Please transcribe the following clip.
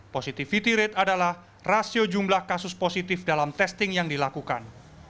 positivity rate adalah rasio jumlah kasus positif dalam testing yang dilakukan